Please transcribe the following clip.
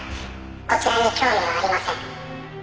「こちらに興味はありません」